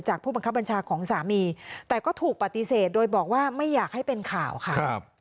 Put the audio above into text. ผู้บังคับบัญชาของสามีแต่ก็ถูกปฏิเสธโดยบอกว่าไม่อยากให้เป็นข่าวค่ะ